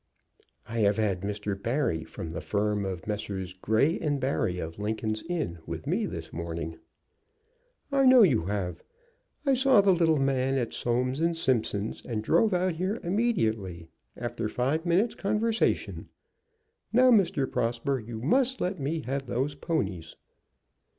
"I have had Mr. Barry, from the firm of Messrs. Grey & Barry, of Lincoln's Inn, with me this morning." "I know you have. I saw the little man at Soames & Simpson's, and drove out here immediately, after five minutes' conversation. Now, Mr. Prosper, you must let me have those ponies."